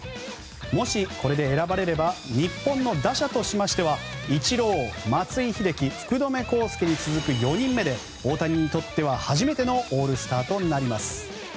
もし、これで選ばれれば日本の打者としましてはイチロー、松井秀喜福留孝介に続く４人目で、大谷にとっては初めてのオールスターとなります。